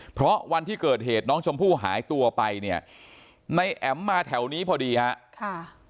เพราะวันที่เกิดเหตุน้องชมพู่หายตัวไปเนี่ยในแอ๋มมาแถวนี้พอดีฮะค่ะ